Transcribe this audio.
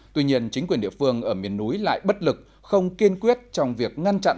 tuy nhiên chính quyền địa phương ở miền núi lại bất lực không kiên quyết trong việc ngăn chặn